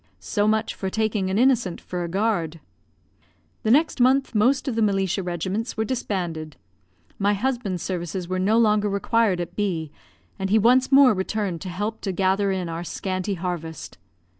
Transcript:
So much for taking an innocent for a guard. The next month most of the militia regiments were disbanded. My husband's services were no longer required at B , and he once more returned to help to gather in our scanty harvest.